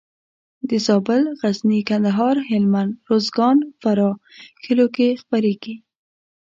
د زابل، غزني، کندهار، هلمند، روزګان او فراه کلیو کې خپرېږي.